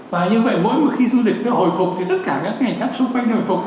và như vậy mỗi một khi du lịch nó hồi phục thì tất cả các ngành khách xung quanh hồi phục